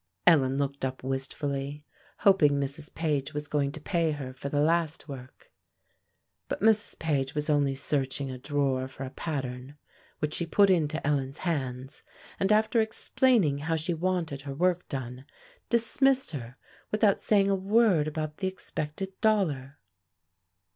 Ellen looked up wistfully, hoping Mrs. Page was going to pay her for the last work. But Mrs. Page was only searching a drawer for a pattern, which she put into Ellen's hands, and after explaining how she wanted her work done, dismissed her without saying a word about the expected dollar.